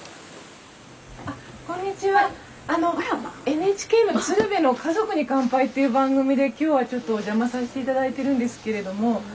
ＮＨＫの「鶴瓶の家族に乾杯」という番組で今日はちょっとお邪魔させて頂いてるんですけれども。